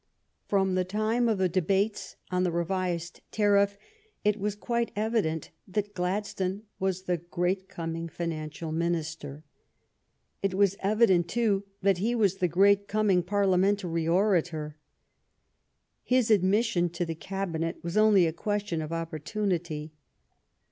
From the time of the debates on the revised tarif¥ it was quite evident that Gladstone was the great coming financial minister. It was evident, too, that he was the great coming Par liamentary orator. His admission to the Cabinet was only a question of opportunity.